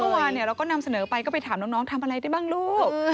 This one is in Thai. เมื่อวานเราก็นำเสนอไปก็ไปถามน้องทำอะไรได้บ้างลูก